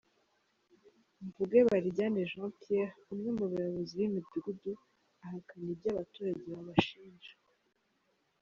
Mvugebarijyane Jean Pierre umwe mu bayobozi b’imidugudu ahakana ibyo abaturage babashinja.